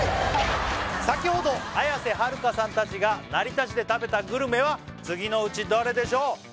先ほど綾瀬はるかさん達が成田市で食べたグルメは次のうちどれでしょう？